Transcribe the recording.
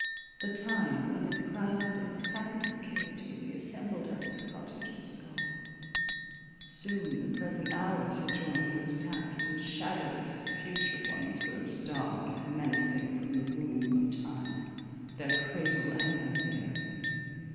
The time when in proud and happy security we assembled at this cottage, was gone—soon the present hours would join those past, and shadows of future ones rose dark and menacing from the womb of time, their cradle and their bier.